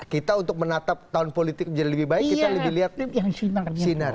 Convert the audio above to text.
kita untuk menatap tahun politik menjadi lebih baik kita lebih lihat yang sinar